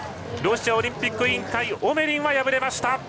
ロシアオリンピック委員会オメリンは敗れました。